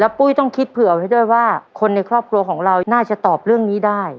ปุ้ยต้องคิดเผื่อไว้ด้วยว่าคนในครอบครัวของเราน่าจะตอบเรื่องนี้ได้